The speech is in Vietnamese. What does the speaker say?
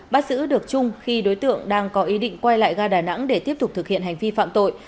bắt giữ được trung khi đối tượng đang có ý định quay lại ga đà nẵng để tiếp tục thực hiện hành vi phạm tội